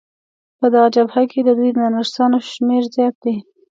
په دغه جبهه کې د دوی د نرسانو شمېر زیات دی.